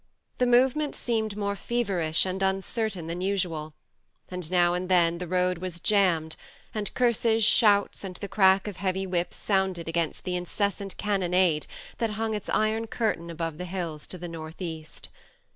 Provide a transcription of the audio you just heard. The movement seemed more feverish and uncertain than usual, and now and then the road was jammed, and curses, shouts and the crack of heavy whips sounded against the incessant cannonade that hung its iron curtain above the hills to the north east.